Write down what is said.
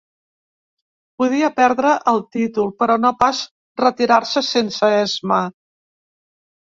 Podia perdre el títol, però no pas retirar-se sense esma.